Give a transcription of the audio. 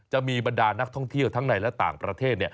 จะมีบรรดานักท่องเที่ยวทั้งในและต่างประเทศ